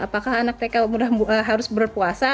apakah anak tk harus berpuasa